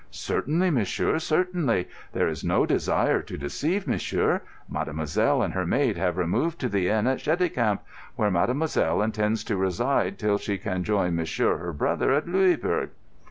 "Certainly, monsieur, certainly. There is no desire to deceive monsieur. Mademoiselle and her maid have removed to the inn at Cheticamp, where mademoiselle intends to reside till she can join monsieur her brother at Louisbourg."